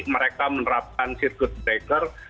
mereka menerapkan circuit breaker